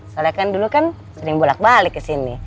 soalnya kan dulu kan sering bolak balik kesini